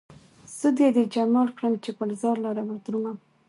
سود يې د جمال کړم، چې ګلزار لره ودرومم